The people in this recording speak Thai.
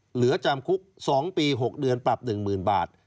เหลือจำคุก๒ปี๖เดือนปรับ๑๐๐๐บาท